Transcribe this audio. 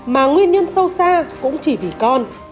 mà nguyên nhân sâu xa cũng chỉ vì con